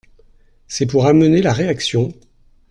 C’est pour amener la réaction…